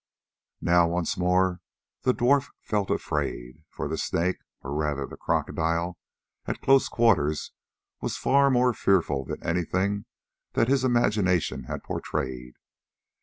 Now once more the dwarf felt afraid, for the Snake, or rather the crocodile, at close quarters was far more fearful than anything that his imagination had portrayed.